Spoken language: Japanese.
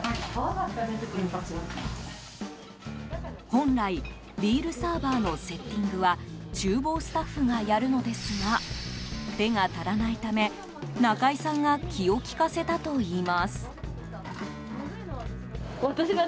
本来ビールサーバーのセッティングは厨房スタッフがやるのですが手が足らないため、仲居さんが気を利かせたといいます。